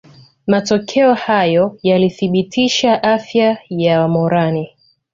Matokeo hayo yalithibitisha afya ya Wamoran